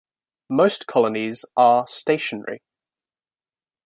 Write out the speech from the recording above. Most colonies are stationary.